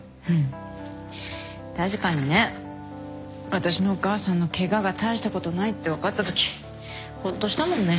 私のお母さんのケガが大したことないって分かったときほっとしたもんね。